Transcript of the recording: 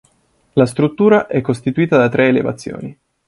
La struttura è costituita da tre elevazioni.